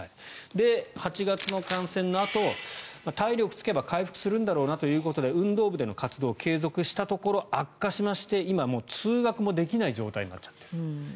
８月の感染のあと体力がつけば回復するんだろうなということで運動部での活動を継続したところ悪化しまして今、通学もできない状態。